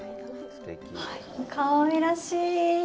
かわいらしい！